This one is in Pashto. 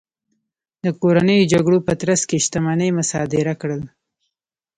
د کورنیو جګړو په ترڅ کې شتمنۍ مصادره کړل.